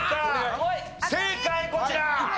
正解こちら！